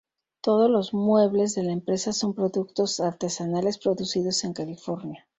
Todos los muebles de la empresa son productos artesanales producidos en California.